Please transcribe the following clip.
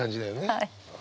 はい。